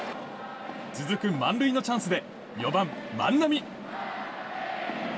続く満塁のチャンスで４番、万波。